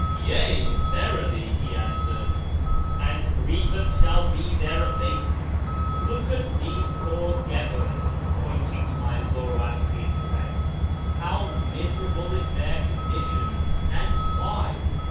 " Yea, verily," he answered, " and grievous shall be their abasement ! Look at these poor guebres " (pointing to my Zoroastrian friends), " how miserable is their condition ! And why